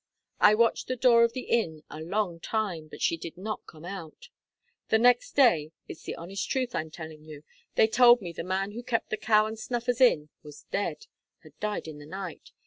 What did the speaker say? I watched the door of the inn a long time, but she did not come out. The next day, it's the honest truth I'm telling you, they told me the man who kept the Cow and Snuffers Inn was dead had died in the night.